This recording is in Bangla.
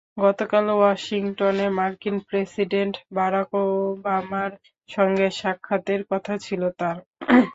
গতকাল ওয়াশিংটনে মার্কিন প্রেসিডেন্ট বারাক ওবামার সঙ্গে সাক্ষাতের কথা ছিল তাঁর।